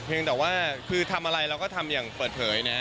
ยังแต่ว่าคือทำอะไรเราก็ทำอย่างเปิดเผยนะฮะ